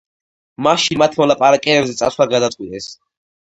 მაშინ მათ მოლაპარაკებებზე წასვლა გადაწყვიტეს.